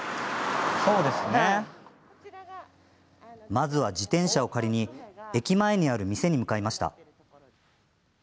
まずは自転車を借りに駅前にある店に向かいました。